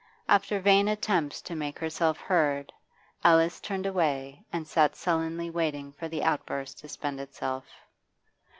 After vain attempts to make herself heard, Alice turned away and sat sullenly waiting for the outburst to spend itself.